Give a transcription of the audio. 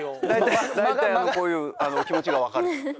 大体こういう気持ちが分かると。